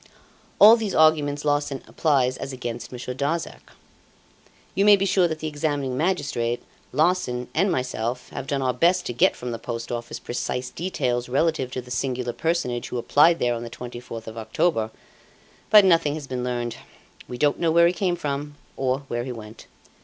All these arguments Larsan applies as against Monsieur Darzac. You may be sure that the examining magistrate, Larsan, and myself, have done our best to get from the Post Office precise details relative to the singular personage who applied there on the 24th of October. But nothing has been learned. We don't know where he came from or where he went.